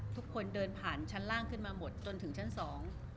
ทุกคนเดินผ่านชั้นล่างขึ้นมาหมดจนถึงชั้นสอง